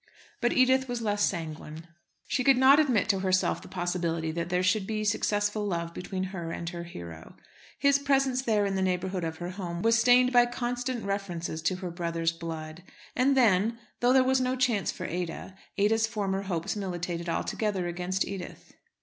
But Edith was less sanguine. She could not admit to herself the possibility that there should be successful love between her and her hero. His presence there in the neighbourhood of her home was stained by constant references to her brother's blood. And then, though there was no chance for Ada, Ada's former hopes militated altogether against Edith.